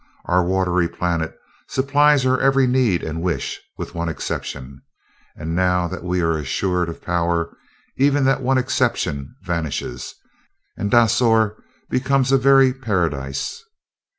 Our watery planet supplies our every need and wish, with one exception; and now that we are assured of power, even that one exception vanishes, and Dasor becomes a very Paradise.